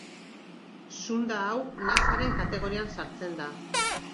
Zunda hau Nasaren kategorian sartzen da.